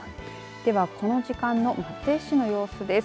では、この時間の松江市の様子です。